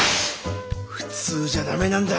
普通じゃダメなんだ。